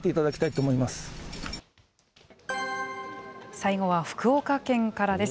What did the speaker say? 最後は福岡県からです。